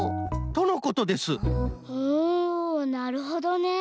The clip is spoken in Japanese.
おなるほどね。